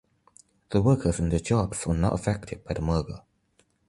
The workers and their jobs were not affected by the merger.